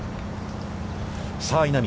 さあ稲見。